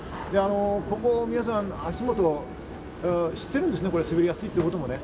ここ、皆さん、足元、知ってるんですね、滑りやすいと。